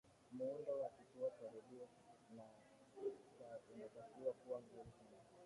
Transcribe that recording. muundo wa kituo cha redio cha unatakiwa kuwa mzuri sana